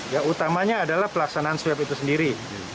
ya utamanya adalah pelaksanaan swab itu sendiri